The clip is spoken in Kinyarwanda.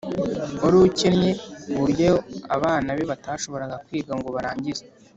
wari ukennye, ku buryo abana be batashoboraga kwiga ngo barangize